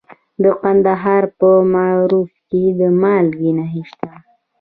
د کندهار په معروف کې د مالګې نښې شته.